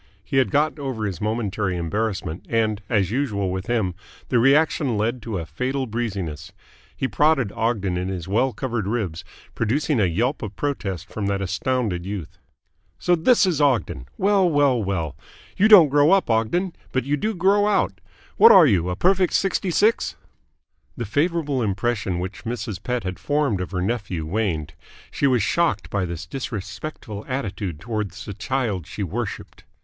He had got over his momentary embarrassment, and, as usual with him, the reaction led to a fatal breeziness. He prodded Ogden in his well covered ribs, producing a yelp of protest from that astounded youth. "So this is Ogden! Well, well, well! You don't grow up, Ogden, but you do grow out. What are you a perfect sixty six?" The favourable impression which Mrs. Pett had formed of her nephew waned. She was shocked by this disrespectful attitude towards the child she worshipped.